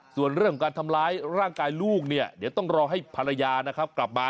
ส่วนเรื่องของการทำร้ายร่างกายลูกเนี่ยเดี๋ยวต้องรอให้ภรรยานะครับกลับมา